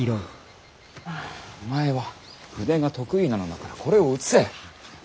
お前は筆が得意なのだからこれを写せ。